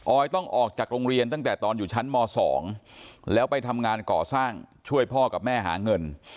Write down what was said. ต้องออกจากโรงเรียนตั้งแต่ตอนอยู่ชั้นม๒แล้วไปทำงานก่อสร้างช่วยพ่อกับแม่หาเงิน